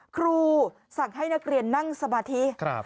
ครูสั่งให้นักเรียนนั่งสมาธิ